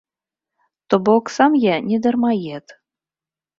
То бок сам я не дармаед.